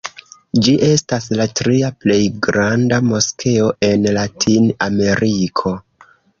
Ĝi estas la tria plej granda moskeo en Latin-Ameriko.